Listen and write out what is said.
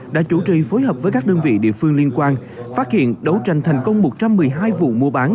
đã chủ trì phối hợp với các đơn vị địa phương liên quan phát hiện đấu tranh thành công một trăm một mươi hai vụ mua bán